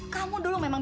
kamu dulu memang